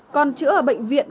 còn chữa ở bệnh viện